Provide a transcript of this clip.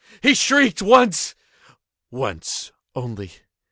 He shrieked once—once only.